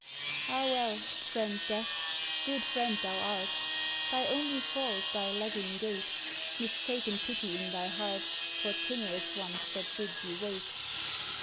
Ah, well, friend Death, good friend thou art; Thy only fault thy lagging gait, Mistaken pity in thy heart For timorous ones that bid thee wait.